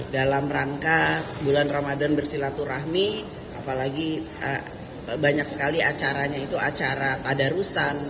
dalam rangka bulan ramadan bersilaturahmi apalagi banyak sekali acaranya itu acara tadarusan